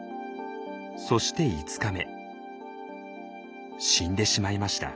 そして死んでしまいました。